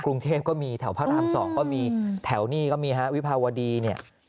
กรุงเทพก็มีแถวพระราม๒ก็มีแถวนี่ก็มีฮะวิภาวดีเนี่ย